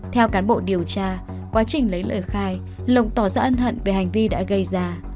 theo cán bộ điều tra quá trình lấy lời khai lộc tỏ ra ân hận về hành vi đã gây ra